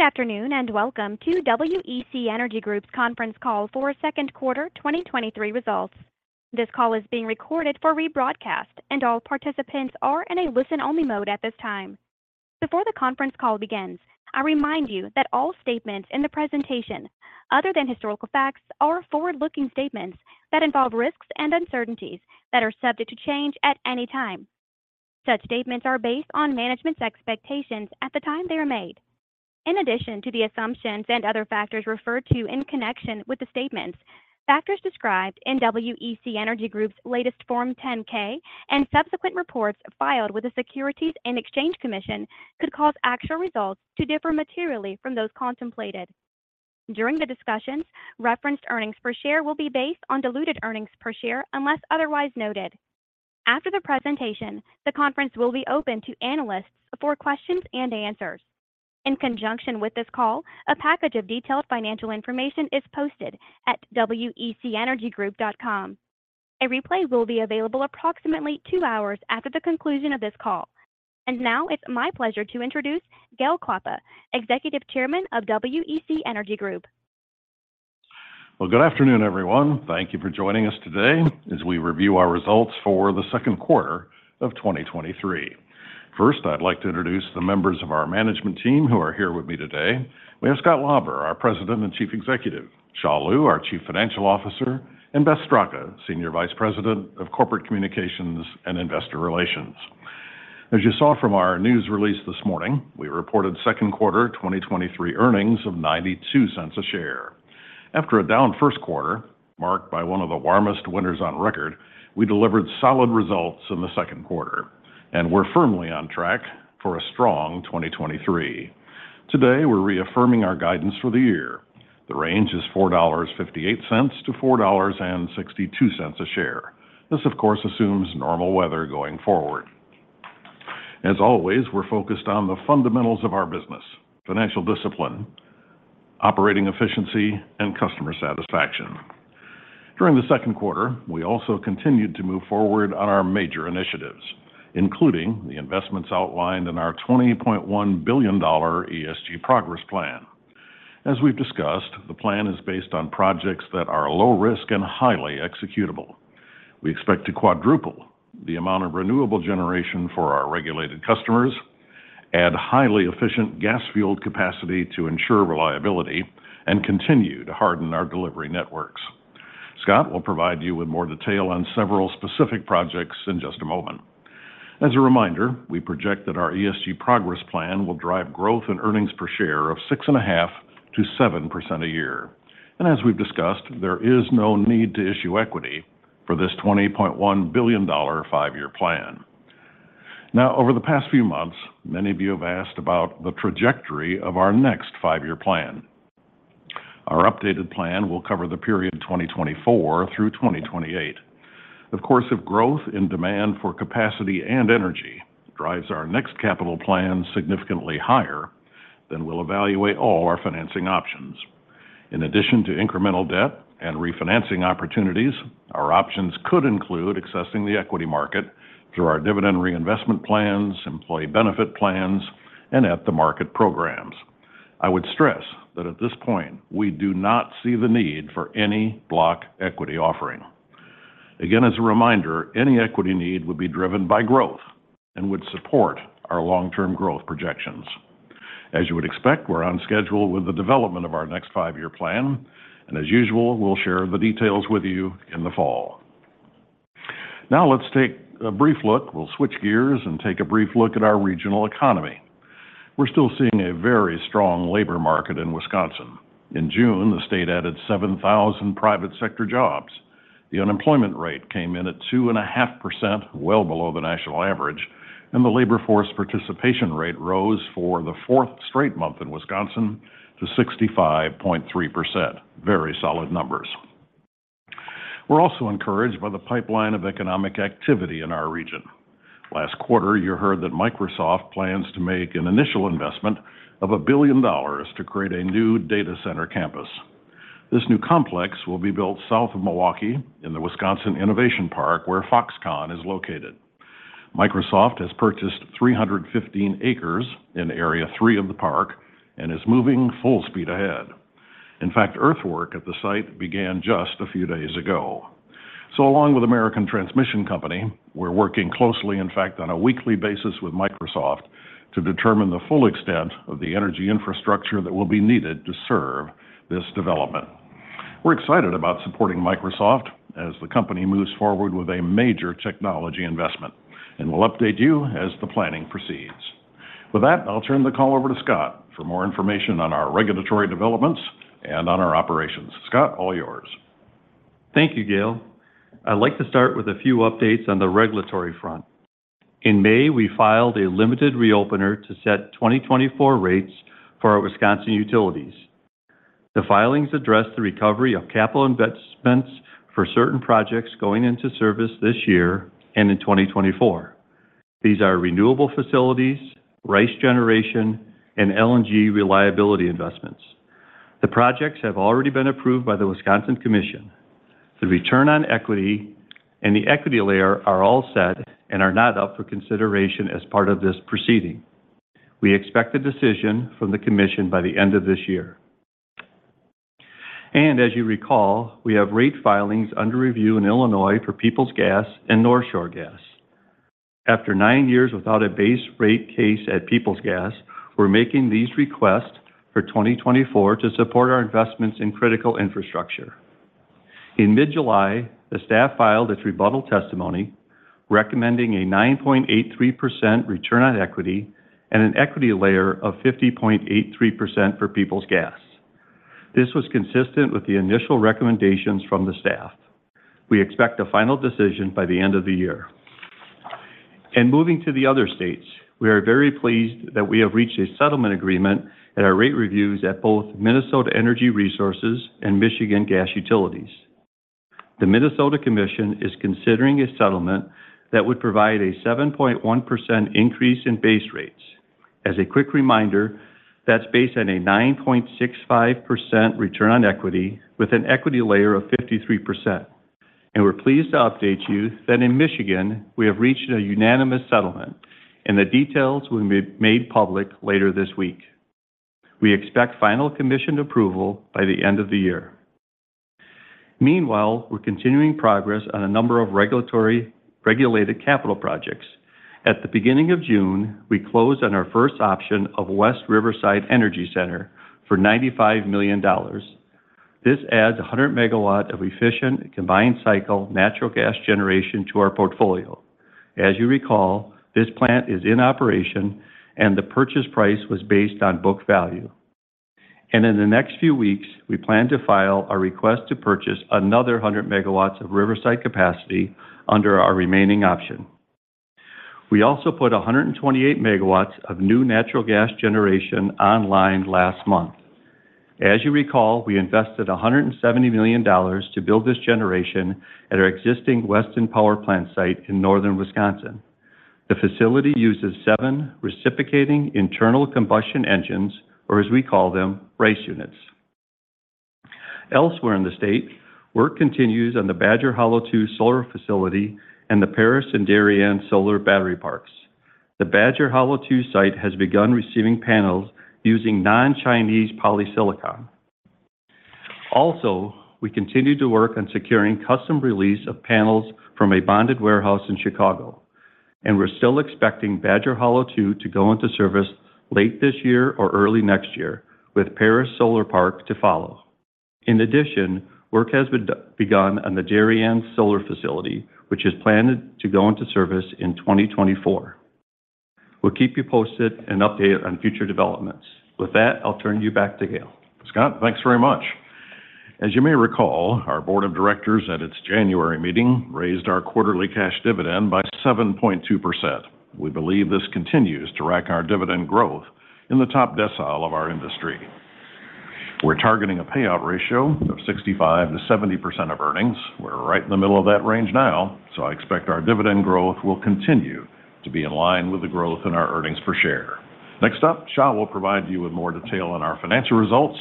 Good afternoon, welcome to WEC Energy Group's Conference Call for Q2 2023 results. This call is being recorded for rebroadcast, and all participants are in a listen-only mode at this time. Before the conference call begins, I remind you that all statements in the presentation, other than historical facts, are forward-looking statements that involve risks and uncertainties that are subject to change at any time. Such statements are based on management's expectations at the time they are made. In addition to the assumptions and other factors referred to in connection with the statements, factors described in WEC Energy Group's latest Form 10-K and subsequent reports filed with the Securities and Exchange Commission could cause actual results to differ materially from those contemplated. During the discussions, referenced earnings per share will be based on diluted earnings per share unless otherwise noted. After the presentation, the conference will be open to analysts for questions and answers. In conjunction with this call, a package of detailed financial information is posted at wecenergygroup.com. A replay will be available approximately two hours after the conclusion of this call. Now it's my pleasure to introduce Gale Klappa, Executive Chairman of WEC Energy Group. Well, good afternoon, everyone. Thank you for joining us today as we review our results for Q2 of 2023. First, I'd like to introduce the members of our management team who are here with me today. We have Scott Lauber, our President and Chief Executive, Xia Liu, our Chief Financial Officer, and Beth Straka, Senior Vice President of Corporate Communications and Investor Relations. As you saw from our news release this morning, we reported Q2, 2023 earnings of $0.92 a share. After a down first quarter, marked by one of the warmest winters on record, we delivered solid results in the Q2, and we're firmly on track for a strong 2023. Today, we're reaffirming our guidance for the year. The range is $4.58-$4.62 a share. This, of course, assumes normal weather going forward. As always, we're focused on the fundamentals of our business: financial discipline, operating efficiency, and customer satisfaction. During the Q2, we also continued to move forward on our major initiatives, including the investments outlined in our $20.1 billion ESG Progress Plan. As we've discussed, the plan is based on projects that are low risk and highly executable. We expect to quadruple the amount of renewable generation for our regulated customers, add highly efficient gas field capacity to ensure reliability, and continue to harden our delivery networks. Scott will provide you with more detail on several specific projects in just a moment. As a reminder, we project that our ESG Progress Plan will drive growth and earnings per share of 6.5%-7% a year. As we've discussed, there is no need to issue equity for this $20.1 billion five-year plan. Over the past few months, many of you have asked about the trajectory of our next five-year plan. Our updated plan will cover the period 2024 through 2028. If growth and demand for capacity and energy drives our next capital plan significantly higher, we'll evaluate all our financing options. In addition to incremental debt and refinancing opportunities, our options could include accessing the equity market through our dividend reinvestment plans, employee benefit plans, and at the market programs. I would stress that at this point, we do not see the need for any block equity offering. As a reminder, any equity need would be driven by growth and would support our long-term growth projections. As you would expect, we're on schedule with the development of our next five-year plan, and as usual, we'll share the details with you in the fall. Now, let's take a brief look. We'll switch gears and take a brief look at our regional economy. We're still seeing a very strong labor market in Wisconsin. In June, the state added 7,000 private sector jobs. The unemployment rate came in at 2.5%, well below the national average, and the labor force participation rate rose for the fourth straight month in Wisconsin to 65.3%. Very solid numbers. We're also encouraged by the pipeline of economic activity in our region. Last quarter, you heard that Microsoft plans to make an initial investment of $1 billion to create a new data center campus. This new complex will be built south of Milwaukee in the Wisconsin Innovation Park, where Foxconn is located. Microsoft has purchased 315 acres in Area Three of the park and is moving full speed ahead. In fact, earthwork at the site began just a few days ago. Along with American Transmission Company, we're working closely, in fact, on a weekly basis with Microsoft to determine the full extent of the energy infrastructure that will be needed to serve this development. We're excited about supporting Microsoft as the company moves forward with a major technology investment, and we'll update you as the planning proceeds. With that, I'll turn the call over to Scott for more information on our regulatory developments and on our operations. Scott, all yours. Thank you, Gale. I'd like to start with a few updates on the regulatory front. In May, we filed a limited reopener to set 2024 rates for our Wisconsin utilities. The filings address the recovery of capital investments for certain projects going into service this year and in 2024. These are renewable facilities, RICE generation, and LNG reliability investments. The projects have already been approved by the Wisconsin Commission. The return on equity and the equity layer are all set and are not up for consideration as part of this proceeding. We expect a decision from the commission by the end of this year. As you recall, we have rate filings under review in Illinois for Peoples Gas and North Shore Gas. After nine years without a base rate case at Peoples Gas, we're making these requests for 2024 to support our investments in critical infrastructure. In mid-July, the staff filed its rebuttal testimony, recommending a 9.83% return on equity and an equity layer of 50.83% for Peoples Gas. This was consistent with the initial recommendations from the staff. We expect a final decision by the end of the year. Moving to the other states, we are very pleased that we have reached a settlement agreement at our rate reviews at both Minnesota Energy Resources and Michigan Gas Utilities. The Minnesota Commission is considering a settlement that would provide a 7.1% increase in base rates. As a quick reminder, that's based on a 9.65% return on equity, with an equity layer of 53%. We're pleased to update you that in Michigan, we have reached a unanimous settlement, and the details will be made public later this week. We expect final commission approval by the end of the year. Meanwhile, we're continuing progress on a number of regulated capital projects. At the beginning of June, we closed on our first option of West Riverside Energy Center for $95 million. This adds 100 MW of efficient combined cycle natural gas generation to our portfolio. As you recall, this plant is in operation, and the purchase price was based on book value. In the next few weeks, we plan to file a request to purchase another 100 MW of Riverside capacity under our remaining option. We also put 128 MW of new natural gas generation online last month. As you recall, we invested $170 million to build this generation at our existing Weston Power Plant site in northern Wisconsin. The facility uses seven Reciprocating Internal Combustion Engines, or as we call them, RICE units. Elsewhere in the State, work continues on the Badger Hollow II Solar Facility and the Paris and Darien Solar Battery Parks. The Badger Hollow II site has begun receiving panels using non-Chinese polysilicon. We continue to work on securing customs release of panels from a bonded warehouse in Chicago, and we're still expecting Badger Hollow II to go into service late this year or early next year, with Paris Solar Park to follow. In addition, work has begun on the Darien Solar Facility, which is planned to go into service in 2024. We'll keep you posted and updated on future developments. With that, I'll turn you back to Gale. Scott, thanks very much. As you may recall, our board of directors at its January meeting raised our quarterly cash dividend by 7.2%. We believe this continues to rank our dividend growth in the top decile of our industry. We're targeting a payout ratio of 65%-70% of earnings. We're right in the middle of that range now, so I expect our dividend growth will continue to be in line with the growth in our earnings per share. Next up, Xia will provide you with more detail on our financial results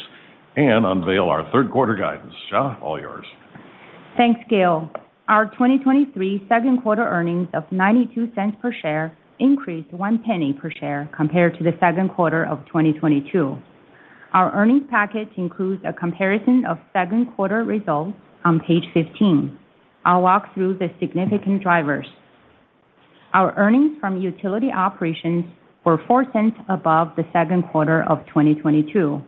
and unveil our third Q3 guidance. Xia, all yours. Thanks, Gale. Our 2023 Q2 earnings of $0.92 per share increased $0.01 per share compared to the Q2 of 2022. Our earnings package includes a comparison of Q2 results on page 15. I'll walk through the significant drivers. Our earnings from utility operations were $0.04 above the Q2 of 2022.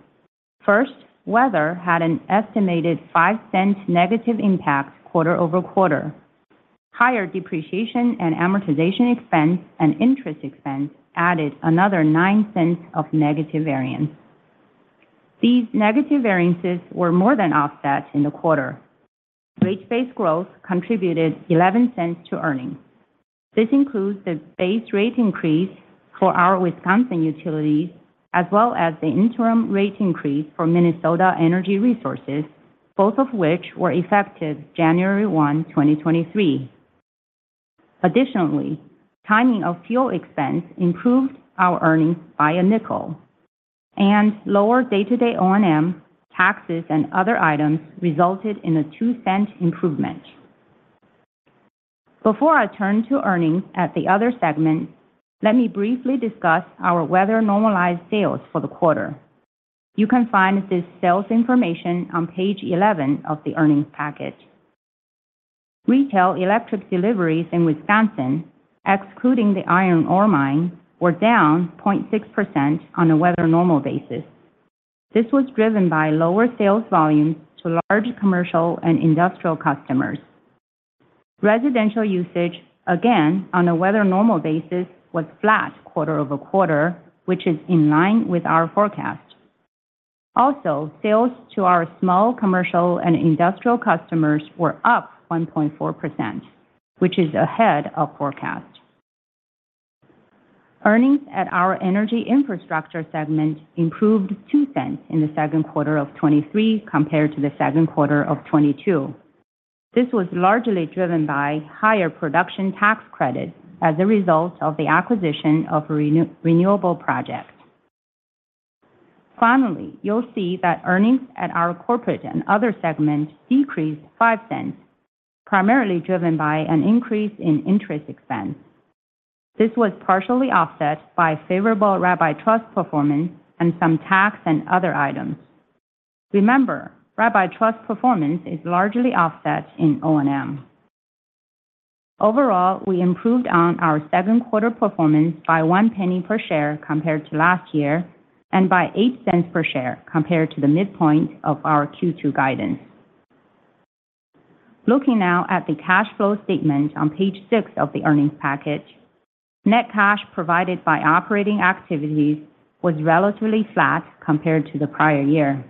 First, weather had an estimated $0.05 negative impact quarter-over-quarter. Higher depreciation and amortization expense and interest expense added another $0.09 of negative variance. These negative variances were more than offset in the quarter. Rate-based growth contributed $0.11 to earnings. This includes the base rate increase for our Wisconsin utilities, as well as the interim rate increase for Minnesota Energy Resources, both of which were effective January 1, 2023. Additionally, timing of fuel expense improved our earnings by $0.05, and lower day-to-day O&M, taxes, and other items resulted in a $0.02 improvement. Before I turn to earnings at the other segment, let me briefly discuss our weather-normalized sales for the quarter. You can find this sales information on page 11 of the earnings package. Retail electric deliveries in Wisconsin, excluding the iron ore mine, were down 0.6% on a weather-normal basis. This was driven by lower sales volumes to large commercial and industrial customers. Residential usage, again, on a weather-normal basis, was flat quarter-over-quarter, which is in line with our forecast. Also, sales to our small commercial and industrial customers were up 1.4%, which is ahead of forecast. Earnings at our energy infrastructure segment improved $0.02 in the 2Q 2023 compared to the 2Q 2022. This was largely driven by higher Production Tax Credits as a result of the acquisition of renewable projects. Finally, you'll see that earnings at our corporate and other segments decreased $0.05, primarily driven by an increase in interest expense. This was partially offset by favorable Rabbi Trust performance and some tax and other items. Remember, Rabbi Trust performance is largely offset in O&M. Overall, we improved on our Q2 performance by $0.01 per share compared to last year, and by $0.08 per share compared to the midpoint of our Q2 guidance. Looking now at the cash flow statement on page 6 of the earnings package, net cash provided by operating activities was relatively flat compared to the prior year.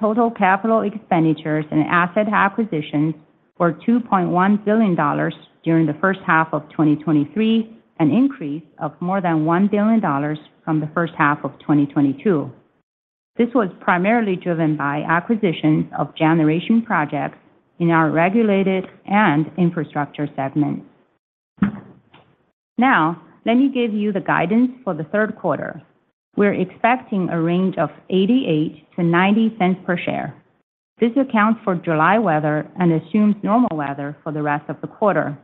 Total capital expenditures and asset acquisitions were $2.1 billion during the first half of 2023, an increase of more than $1 billion from the first half of 2022. This was primarily driven by acquisitions of generation projects in our regulated and infrastructure segments. Now, let me give you the guidance for the Q3. We're expecting a range of $0.88-$0.90 per share. This accounts for July weather and assumes normal weather for the rest of the quarter.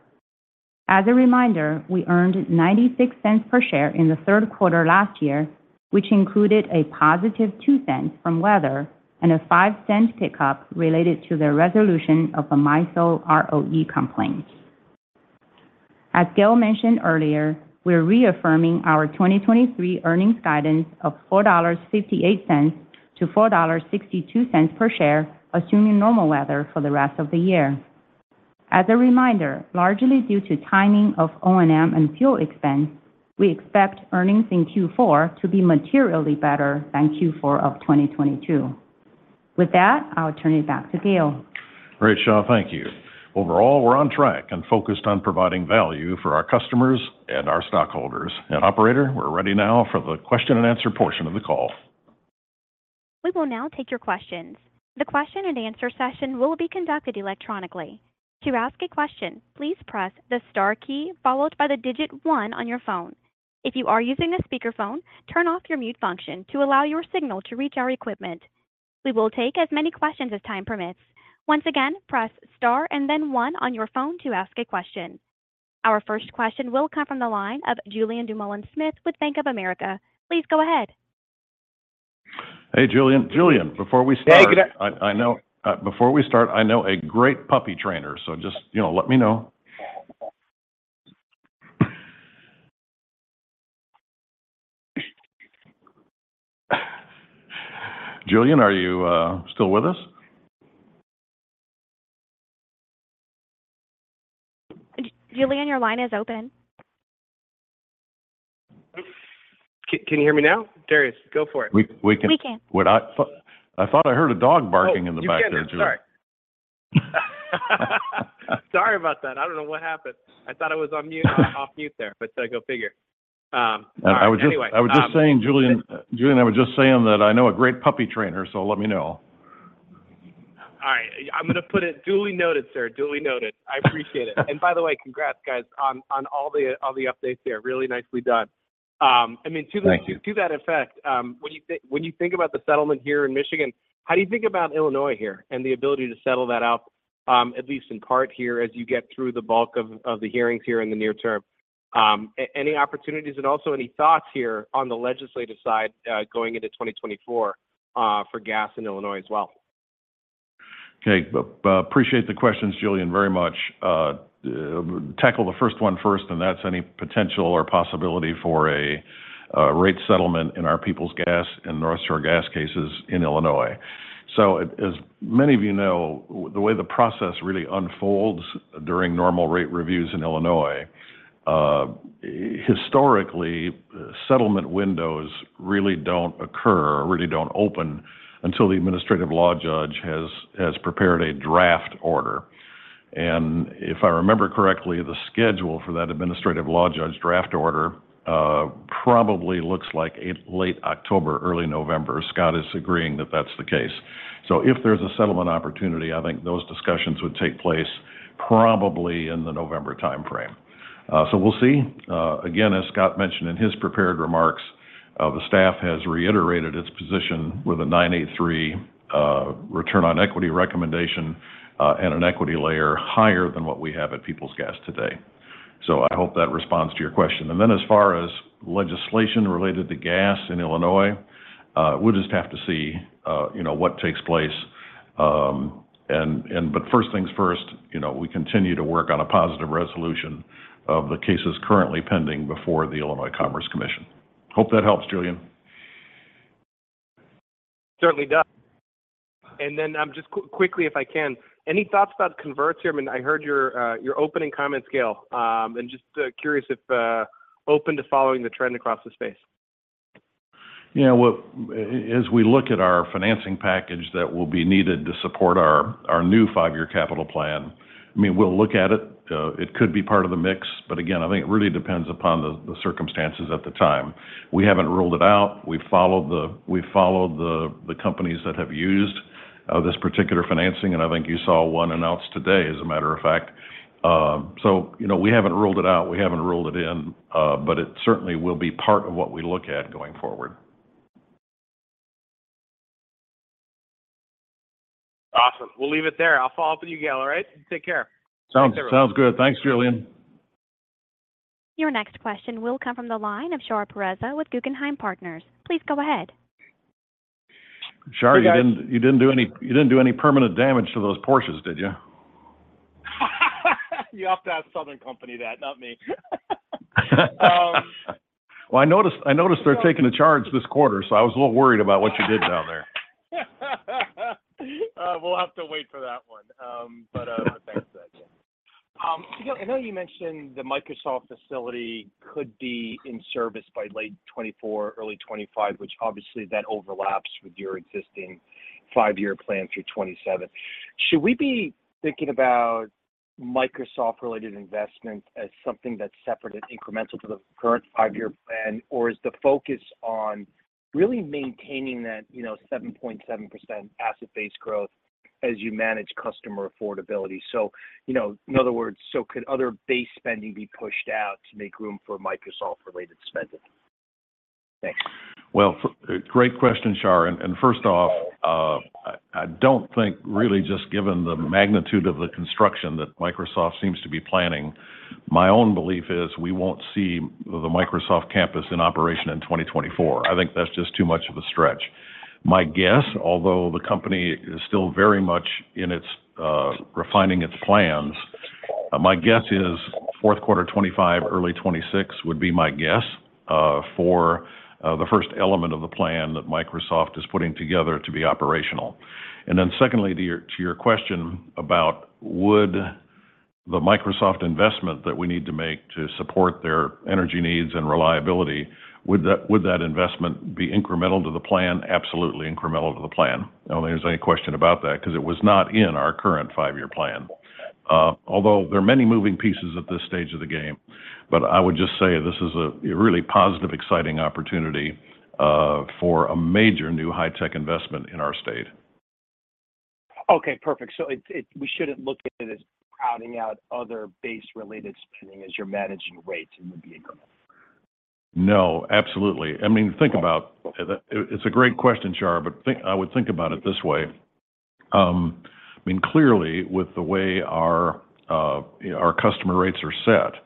As a reminder, we earned $0.96 per share in the third Q3 last year, which included a +$0.02 from weather and a $0.05 pickup related to the resolution of the MISO ROE complaint. As Gale mentioned earlier, we're reaffirming our 2023 earnings guidance of $4.58 to $4.62 per share, assuming normal weather for the rest of the year. As a reminder, largely due to timing of O&M and fuel expense, we expect earnings in Q4 to be materially better than Q4 of 2022. With that, I'll turn it back to Gale. Great, Xia, thank you. Overall, we're on track and focused on providing value for our customers and our stockholders. Operator, we're ready now for the question-and-answer portion of the call. We will now take your questions. The question-and-answer session will be conducted electronically. To ask a question, please press the st key, followed by the digit 1 on your phone. If you are using a speakerphone, turn off your mute function to allow your signal to reach our equipment. We will take as many questions as time permits. Once again, press S and then one on your phone to ask a question. Our first question will come from the line of Julien Dumoulin-Smith with Bank of America. Please go ahead. Hey, Julien. Julien, before we start- Hey, good- Before we start, I know a great puppy trainer, so just, you know, let me know. Julien, are you still with us? Julien, your line is open. Can you hear me now? Darius, go for it. We can. We can. I thought I heard a dog barking in the back there, Julien. Oh, you can. Sorry. Sorry about that. I don't know what happened. I thought I was on mute, or off mute there, but go figure. All right, anyway. I was just saying, Julien, Julien, I was just saying that I know a great puppy trainer, so let me know. All right. I'm going to put it duly noted, sir. Duly noted. I appreciate it. By the way, congrats, guys, on, on all the, on the updates there. Really nicely done. I mean, Thank you.... to that effect, when you think, when you think about the settlement here in Michigan, how do you think about Illinois here and the ability to settle that out, at least in part here, as you get through the bulk of, of the hearings here in the near term? Any opportunities and also any thoughts here on the legislative side, going into 2024, for gas in Illinois as well? Okay. Appreciate the questions, Julien, very much. Tackle the first one first, and that's any potential or possibility for a rate settlement in our Peoples Gas and North Shore Gas cases in Illinois. As many of you know, the way the process really unfolds during normal rate reviews in Illinois, historically, settlement windows really don't occur, or really don't open until the administrative law judge has prepared a draft order. And if I remember correctly, the schedule for that administrative law judge draft order, probably looks like late October, early November. Scott is agreeing that that's the case. If there's a settlement opportunity, I think those discussions would take place probably in the November timeframe. We'll see. Again, as Scott mentioned in his prepared remarks, the staff has reiterated its position with a 9.83% return on equity recommendation, and an equity layer higher than what we have at Peoples Gas today. I hope that responds to your question. As far as legislation related to gas in Illinois, we'll just have to see, you know, what takes place. First things first, you know, we continue to work on a positive resolution of the cases currently pending before the Illinois Commerce Commission. Hope that helps, Julien. Certainly does. Then quickly, if I can, any thoughts about converts here? I mean, I heard your opening comments, Gale. Just curious if open to following the trend across the space. Yeah, well, as we look at our financing package that will be needed to support our, our new five-year capital plan. I mean, we'll look at it. It could be part of the mix, but again, I think it really depends upon the, the circumstances at the time. We haven't ruled it out. We've followed the, we've followed the, the companies that have used this particular financing, and I think you saw one announced today, as a matter of fact. You know, we haven't ruled it out, we haven't ruled it in, but it certainly will be part of what we look at going forward. Awesome. We'll leave it there. I'll follow up with you, Gale. All right? Take care. Sounds, sounds good. Thanks, Julien. Your next question will come from the line of Shar Pourreza with Guggenheim Partners. Please go ahead. Shar, you didn't- Hey, guys. You didn't do any, you didn't do any permanent damage to those Porsches, did you? You'll have to ask Southern Company that, not me. Well, I noticed, I noticed they're taking a charge this quarter, so I was a little worried about what you did down there. We'll have to wait for that one. Thanks again. I know you mentioned the Microsoft facility could be in service by late 2024, early 2025, which obviously, that overlaps with your existing five-year plan through 2027. Should we be thinking about Microsoft-related investments as something that's separate and incremental to the current five-year plan? Is the focus on really maintaining that, you know, 7.7% asset-based growth as you manage customer affordability? You know, in other words, so could other base spending be pushed out to make room for Microsoft-related spending. Thanks. Well, great question, Shar. First off, I, I don't think really, just given the magnitude of the construction that Microsoft seems to be planning, my own belief is we won't see the Microsoft campus in operation in 2024. I think that's just too much of a stretch. My guess, although the company is still very much in its refining its plans, my guess is Q4 2025, early 2026, would be my guess for the first element of the plan that Microsoft is putting together to be operational. Secondly, to your, to your question about would the Microsoft investment that we need to make to support their energy needs and reliability, would that, would that investment be incremental to the plan? Absolutely incremental to the plan. I don't think there's any question about that, 'cause it was not in our current five-year plan. Although there are many moving pieces at this stage of the game, but I would just say this is a really positive, exciting opportunity for a major new high-tech investment in our State. Okay, perfect. It shouldn't look at it as crowding out other base-related spending as you're managing rates and would be incremental? No, absolutely. I mean, think about... It, it's a great question, Shar, but I would think about it this way: I mean, clearly, with the way our customer rates are set,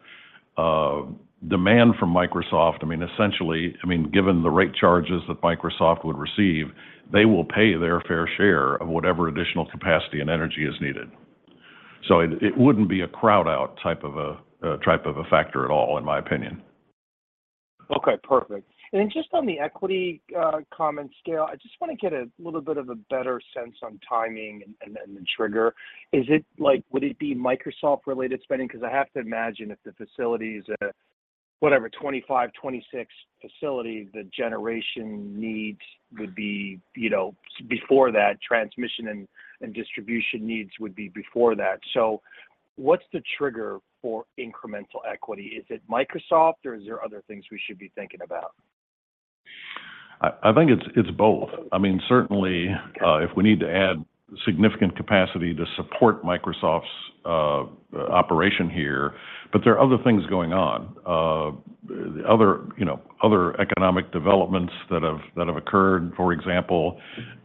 demand from Microsoft, I mean, essentially, I mean, given the rate charges that Microsoft would receive, they will pay their fair share of whatever additional capacity and energy is needed. It, it wouldn't be a crowd-out type of a type of a factor at all, in my opinion. Okay, perfect. Then just on the equity comment, Gale, I just want to get a little bit of a better sense on timing and, and, and the trigger. Is it like, would it be Microsoft-related spending? 'Cause I have to imagine if the facility is a, whatever, 2025, 2026 facility, the generation needs would be, you know, before that, transmission and, and distribution needs would be before that. What's the trigger for incremental equity? Is it Microsoft or is there other things we should be thinking about? I, I think it's, it's both. I mean, certainly- Okay... if we need to add significant capacity to support Microsoft's operation here. There are other things going on. Other, you know, other economic developments that have, that have occurred. For example,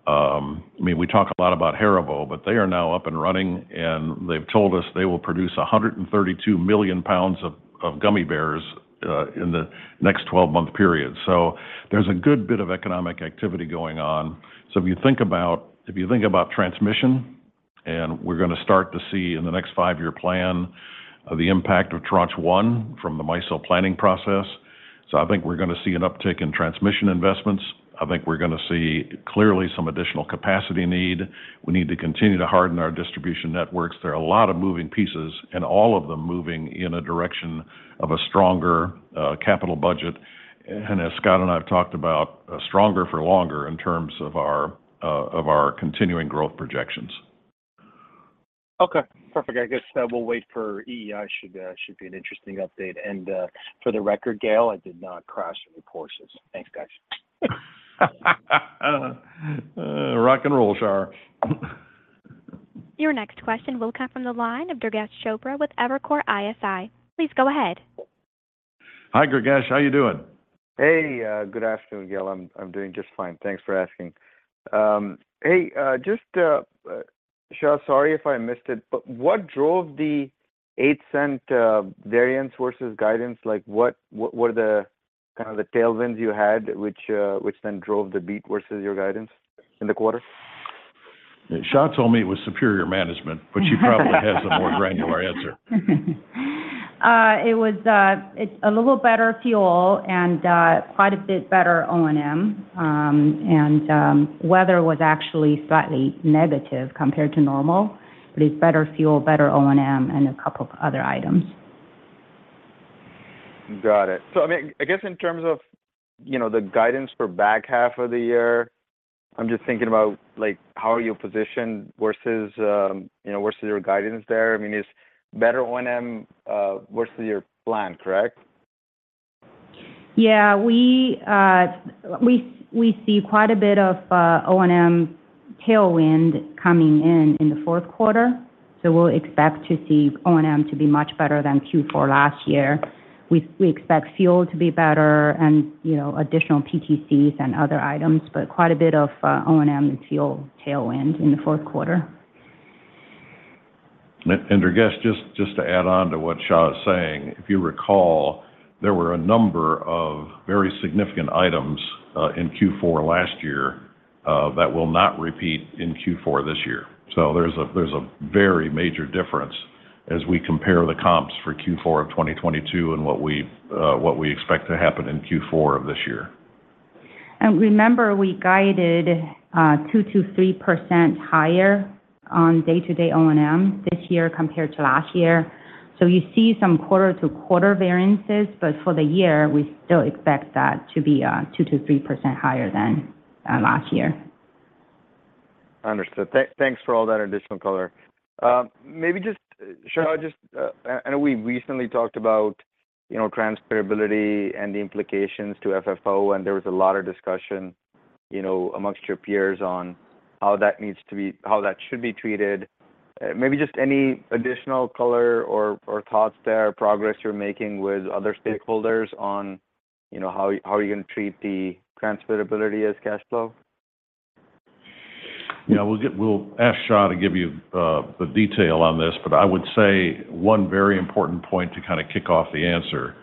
I mean, we talk a lot about Haribo, but they are now up and running, and they've told us they will produce £132 million of gummy bears in the next 12-month period. There's a good bit of economic activity going on. If you think about, if you think about transmission, we're gonna start to see in the next 5-year plan, the impact of Tranche 1 from the MISO planning process. I think we're gonna see an uptick in transmission investments. I think we're gonna see, clearly, some additional capacity need. We need to continue to harden our distribution networks. There are a lot of moving pieces, and all of them moving in a direction of a stronger, capital budget, and as Scott and I have talked about, stronger for longer in terms of our, of our continuing growth projections. Okay, perfect. I guess, we'll wait for EEI. Should be an interesting update. For the record, Gale, I did not crash any Porsches. Thanks, guys. Rock and roll, Shar. Your next question will come from the line of Durgesh Chopra with Evercore ISI. Please go ahead. Hi, Durgesh. How you doing? Hey, good afternoon, Gale. I'm, I'm doing just fine. Thanks for asking. Hey, just, Xia, sorry if I missed it, but what drove the $0.08 variance versus guidance? Like, what, what, what are the kind of the tailwinds you had, which then drove the beat versus your guidance in the quarter? Sha told me it was superior management. She probably has a more granular answer. It was, it's a little better fuel and quite a bit better O&M. Weather was actually slightly negative compared to normal, but it's better fuel, better O&M, and a couple of other items. Got it. I mean, I guess in terms of, you know, the guidance for back half of the year, I'm just thinking about, like, how are you positioned versus, you know, versus your guidance there? I mean, it's better O&M versus your plan, correct? Yeah. We, we, we see quite a bit of O&M tailwind coming in in the Q4. We'll expect to see O&M to be much better than Q4 last year. We, we expect fuel to be better and, you know, additional PTCs and other items. Quite a bit of O&M and fuel tailwind in the Q4. Dergues, just to add on to what Xia is saying, if you recall, there were a number of very significant items in Q4 last year that will not repeat in Q4 this year. There's a very major difference as we compare the comps for Q4 of 2022 and what we expect to happen in Q4 of this year. Remember, we guided 2%-3% higher on day-to-day O&M this year compared to last year. You see some quarter-to-quarter variances, but for the year, we still expect that to be 2%-3% higher than last year. Understood. Thanks for all that additional color. Maybe just Xia, I know we recently talked about, you know, transferability and the implications to FFO, and there was a lot of discussion, you know, amongst your peers on how that should be treated. Maybe just any additional color or thoughts there, progress you're making with other stakeholders on, you know, how you're going to treat the transferability as cash flow? Yeah, we'll get-- we'll ask Xia to give you the detail on this, but I would say one very important point to kind of kick off the answer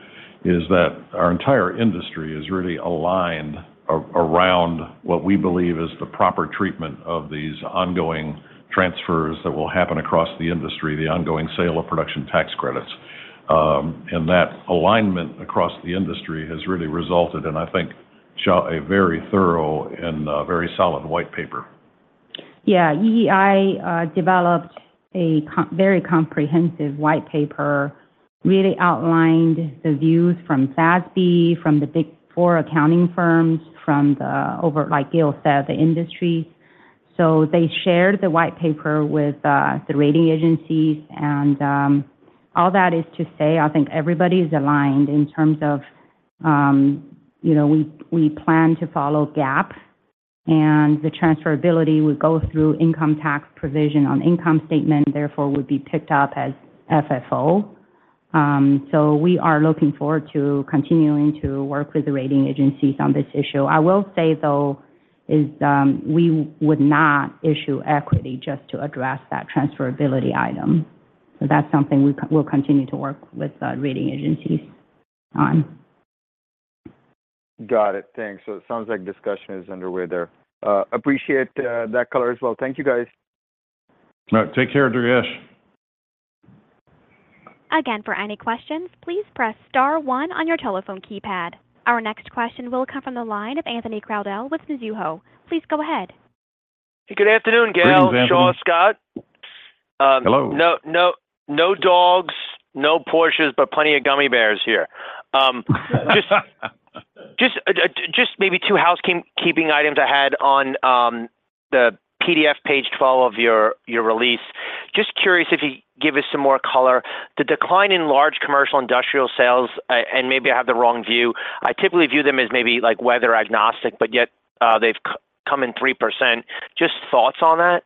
is that our entire industry is really aligned ar-around what we believe is the proper treatment of these ongoing transfers that will happen across the industry, the ongoing sale of Production Tax Credits. That alignment across the industry has really resulted, and I think, Xia, a very thorough and very solid white paper. Yeah, EEI developed a very comprehensive white paper, really outlined the views from SASB, from the Big Four accounting firms, from the over, like Gale said, the industry. They shared the white paper with the rating agencies. All that is to say, I think everybody is aligned in terms of, you know, we, we plan to follow GAAP, and the transferability would go through income tax provision on income statement, therefore, would be picked up as FFO. We are looking forward to continuing to work with the rating agencies on this issue. I will say, though, is, we would not issue equity just to address that transferability item. That's something we'll continue to work with the rating agencies on. Got it. Thanks. It sounds like discussion is underway there. Appreciate that color as well. Thank you, guys. All right. Take care, Durgesh. Again, for any questions, please press S one on your telephone keypad. Our next question will come from the line of Anthony Crowdell with Mizuho. Please go ahead. Good afternoon, Gale, Xia, Scott. Hello. No, no, no dogs, no Porsches, but plenty of gummy bears here. Maybe two housekeeping items I had on the PDF page 12 of your release. Just curious if you'd give us some more color? The decline in large commercial industrial sales, maybe I have the wrong view, I typically view them as maybe, like, weather agnostic, but yet, they've come in 3%. Just thoughts on that?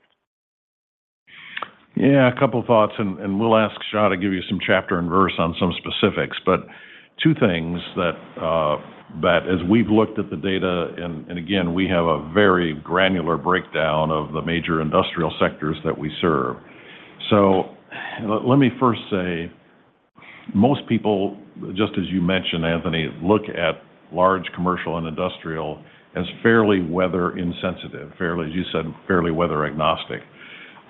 Yeah, a couple thoughts, and, and we'll ask Xia to give you some chapter and verse on some specifics. Two things that, that as we've looked at the data, and, and again, we have a very granular breakdown of the major industrial sectors that we serve. Let me first say, most people, just as you mentioned, Anthony, look at large commercial and industrial as fairly weather insensitive, fairly, as you said, fairly weather agnostic.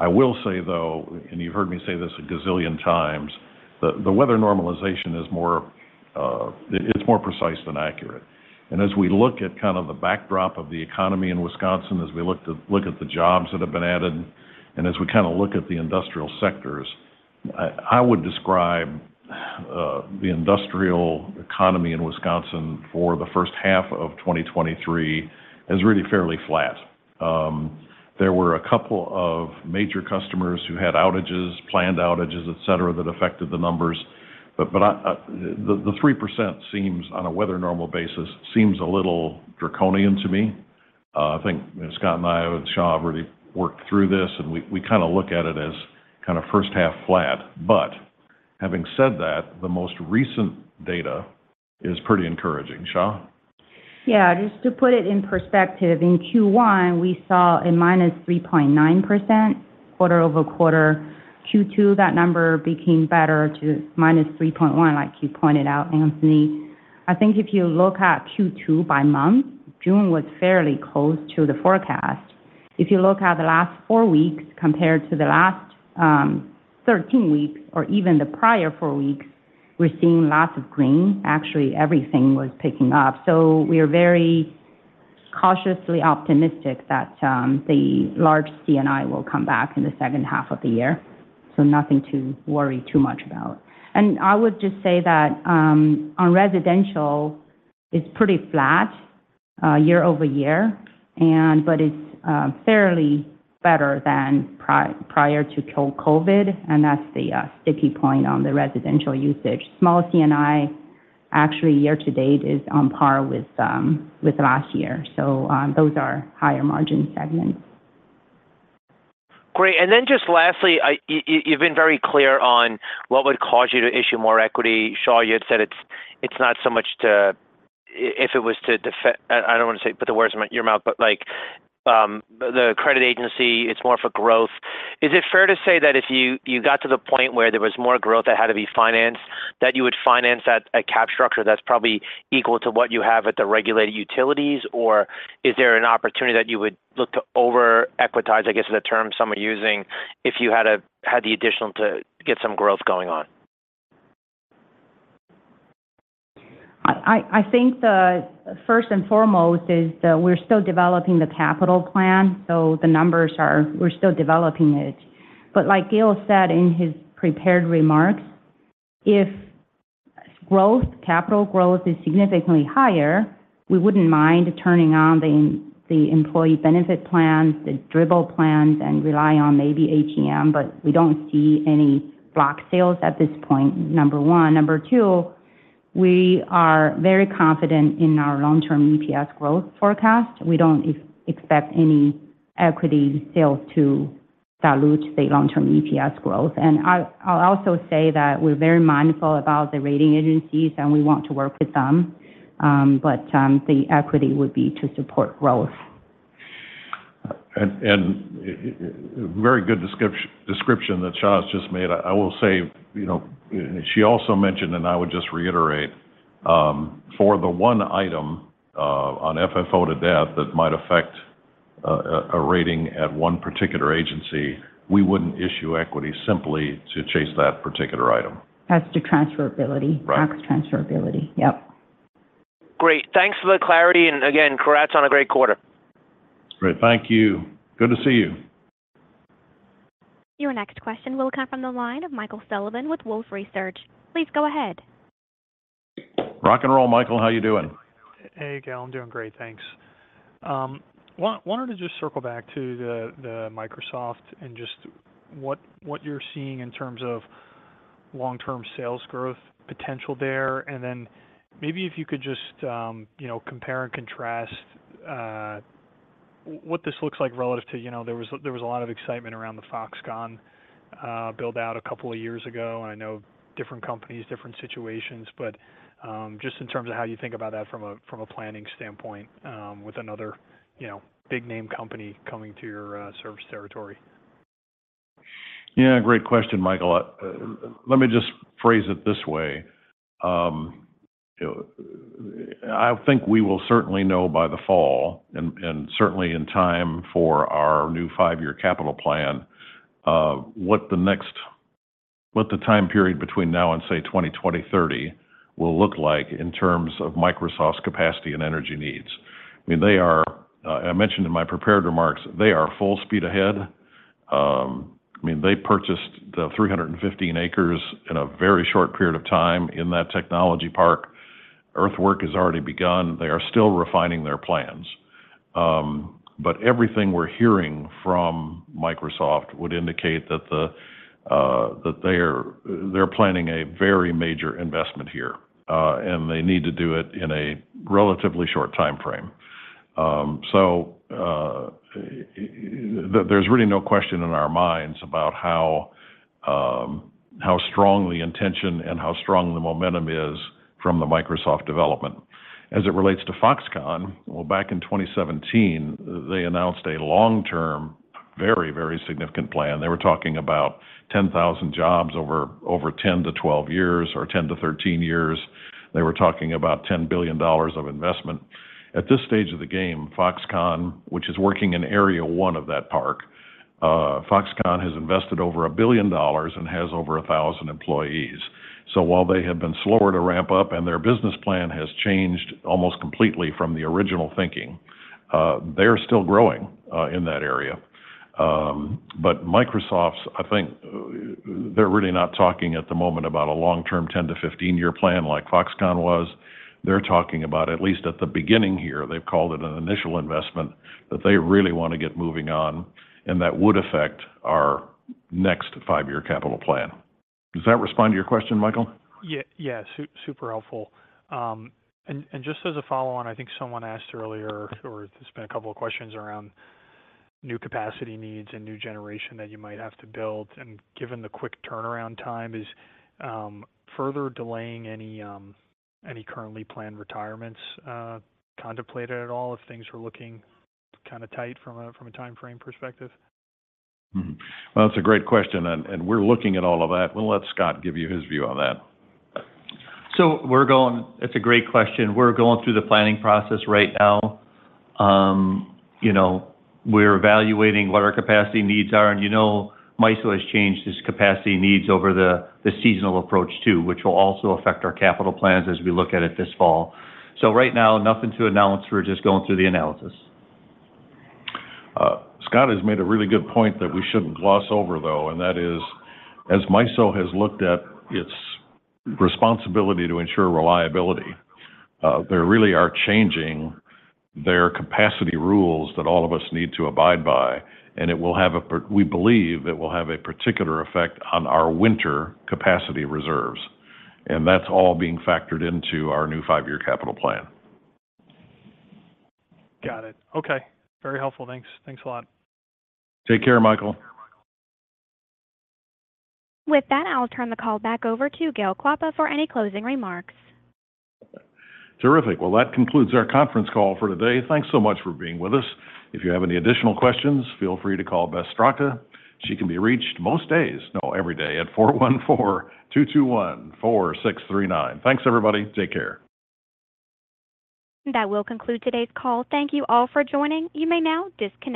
I will say, though, and you've heard me say this a gazillion times, the, the weather normalization is more, it's more precise than accurate. As we look at kind of the backdrop of the economy in Wisconsin, as we look to-- look at the jobs that have been added, and as we kind of look at the industrial sectors, I, I would describe the industrial economy in Wisconsin for the first half of 2023 as really fairly flat. There were a couple of major customers who had outages, planned outages, etc., that affected the numbers, but, but I, I. The 3% seems, on a weather normal basis, seems a little draconian to me. I think Scott and I, with Xia, have really worked through this, and we, we kind of look at it as kind of first half flat. Having said that, the most recent data is pretty encouraging. Xia? Yeah, just to put it in perspective, in Q1, we saw a -3.9% quarter-over-quarter. Q2, that number became better to -3.1%, like you pointed out, Anthony. I think if you look at Q2 by month, June was fairly close to the forecast. If you look at the last four weeks compared to the last 13 weeks or even the prior four weeks, we're seeing lots of green. Actually, everything was picking up. We are very cautiously optimistic that the large CNI will come back in the second half of the year, so nothing to worry too much about. I would just say that on residential, it's pretty flat year-over-year, and but it's fairly better than prior to COVID, and that's the sticky point on the residential usage. Small CNI, actually, year to date, is on par with, with last year. Those are higher margin segments. Great. Just lastly, I, you've been very clear on what would cause you to issue more equity. Xia, you had said it's, it's not so much to if it was to defecate, I don't want to say, put the words in your mouth, but like, the credit agency, it's more for growth. Is it fair to say that if you got to the point where there was more growth that had to be financed, that you would finance that a cap structure that's probably equal to what you have at the regulated utilities? Or is there an opportunity that you would look to over-equitize, I guess, is the term some are using, if you had the additional to get some growth going on? I think the first and foremost is that we're still developing the capital plan, so the numbers are, we're still developing it. Like Gale said in his prepared remarks, if growth, capital growth is significantly higher, we wouldn't mind turning on the, the employee benefit plans, the DRIP plans, and rely on maybe ATM, but we don't see any block sales at this point, number 1. Number 2, we are very confident in our long-term EPS growth forecast. We don't expect any equity sales to dilute the long-term EPS growth. I'll also say that we're very mindful about the rating agencies, and we want to work with them, but the equity would be to support growth. Very good descrip- description that Xia's just made. I, I will say, you know, she also mentioned, and I would just reiterate, for the one item, on FFO to debt that might affect a, a, a rating at one particular agency, we wouldn't issue equity simply to chase that particular item. That's the transferability. Right. Tax transferability. Yep. Great. Thanks for the clarity, and again, congrats on a great quarter. Great. Thank you. Good to see you. Your next question will come from the line of Michael Sullivan with Wolfe Research. Please go ahead. Rock and roll, Michael. How you doing? Hey, Gale. I'm doing great, thanks. Wanted to just circle back to the, the Microsoft and just what, what you're seeing in terms of long-term sales growth potential there. Then maybe if you could just, you know, compare and contrast, what this looks like relative to, you know, there was, there was a lot of excitement around the Foxconn, build-out a couple of years ago. I know different companies, different situations, but, just in terms of how you think about that from a, from a planning standpoint, with another, you know, big name company coming to your, service territory. Yeah, great question, Michael. let me just phrase it this way. I think we will certainly know by the fall, and, and certainly in time for our new five-year capital plan, what the time period between now and, say, 2020, 2030 will look like in terms of Microsoft's capacity and energy needs. I mean, they are, I mentioned in my prepared remarks, they are full speed ahead. I mean, they purchased the 315 acres in a very short period of time in that technology park. Earthwork has already begun. They are still refining their plans. Everything we're hearing from Microsoft would indicate that the, that they're, they're planning a very major investment here, and they need to do it in a relatively short time frame. There's really no question in our minds about how, how strong the intention and how strong the momentum is from the Microsoft development. As it relates to Foxconn, well, back in 2017, they announced a long-term, very, very significant plan. They were talking about 10,000 jobs over, over 10-12 years or 10-13 years. They were talking about $10 billion of investment. At this stage of the game, Foxconn, which is working in Area I of that Park, Foxconn has invested over $1 billion and has over 1,000 employees. While they have been slower to ramp up and their business plan has changed almost completely from the original thinking, they are still growing, in that area. Microsoft's, I think, they're really not talking at the moment about a long-term, 10-15 year plan like Foxconn was. They're talking about, at least at the beginning here, they've called it an initial investment, that they really want to get moving on, and that would affect our next 5-year capital plan. Does that respond to your question, Michael? Yeah, yeah, super helpful. Just as a follow-on, I think someone asked earlier, or there's been a couple of questions around new capacity needs and new generation that you might have to build, and given the quick turnaround time, is further delaying any currently planned retirements, contemplated at all, if things are looking kind of tight from a time frame perspective? Mm-hmm. Well, that's a great question, and we're looking at all of that. We'll let Scott give you his view on that. That's a great question. We're going through the planning process right now. You know, we're evaluating what our capacity needs are, and, you know, MISO has changed its capacity needs over the, the seasonal approach, too, which will also affect our capital plans as we look at it this fall. Right now, nothing to announce. We're just going through the analysis. Scott has made a really good point that we shouldn't gloss over, though, and that is, as MISO has looked at its responsibility to ensure reliability, they really are changing their capacity rules that all of us need to abide by, and it will have we believe it will have a particular effect on our winter capacity reserves, and that's all being factored into our new five-year capital plan. Got it. Okay. Very helpful. Thanks. Thanks a lot. Take care, Michael. With that, I'll turn the call back over to Gale Klappa for any closing remarks. Terrific. Well, that concludes our conference call for today. Thanks so much for being with us. If you have any additional questions, feel free to call Beth Straka. She can be reached most days, no, every day at 414-221-4639. Thanks, everybody. Take care. That will conclude today's call. Thank you all for joining. You may now disconnect.